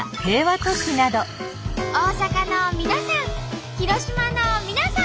大阪の皆さん